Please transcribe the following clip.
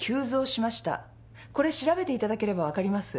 これ調べていただければ分かります。